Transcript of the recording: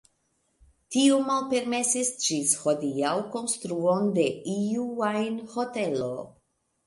Tiu malpermesis ĝis hodiaŭ konstruon de iu ajn hotelo.